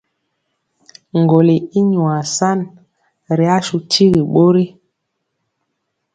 Ŋgɔli i nwa sa ri asu tigi ɓori.